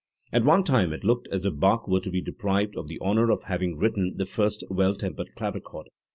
At one time it looked as if Bach were to be deprived of the honour of having written the first Well tempered Clavichord.